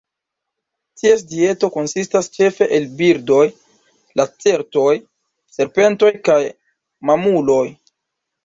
Ties dieto konsistas ĉefe el birdoj, lacertoj, serpentoj kaj mamuloj.